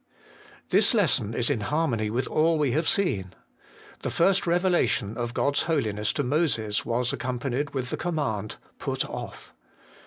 This lesson is in harmony with all we have seen. The first revelation of God's Holiness to Moses was accompanied with the command, Put off.